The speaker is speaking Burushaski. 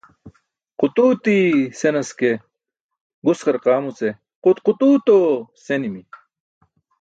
Qutuuti senas ke, gus qarqaamuce qut qutuuto senimi.